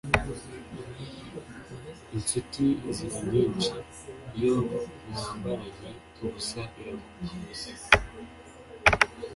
Insuti ziba nyinshi, iyo mwambaranye ubusa iraguma